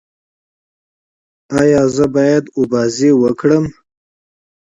ایا زه باید لامبو ووهم؟